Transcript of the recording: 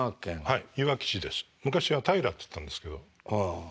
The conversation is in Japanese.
はい。